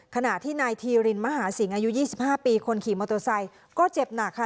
ขณะที่นายธีรินมหาสิงอายุ๒๕ปีคนขี่มอเตอร์ไซค์ก็เจ็บหนักค่ะ